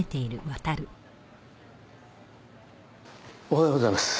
おはようございます。